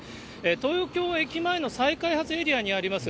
東京駅前の再開発エリアにあります